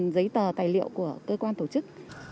giấy tờ tài liệu của cơ quan tổ chức